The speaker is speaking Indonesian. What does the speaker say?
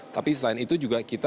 tapi selain itu juga kita